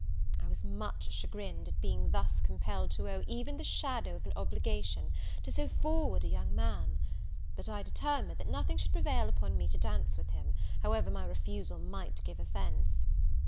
I was much chagrined at being thus compelled to owe even the shadow of an obligation to so forward a young man; but I determined that nothing should prevail upon me to dance with him, however my refusal might give offence.